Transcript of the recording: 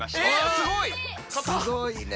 すごいね。